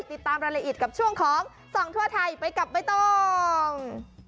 ติดตามรายละเอียดกับช่วงของส่องทั่วไทยไปกับใบตอง